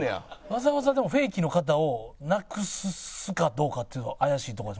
わざわざでもフェイキーの方を亡くすかどうかっていうの怪しいところ。